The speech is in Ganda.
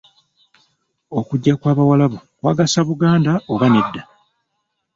Okujja kw'Abawarabu kwagasa Buganda oba nedda?